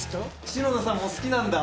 篠田さんも好きなんだ。